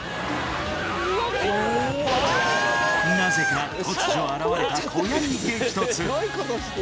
なぜか突如現れた小屋に激突！